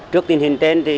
trước tình hình tên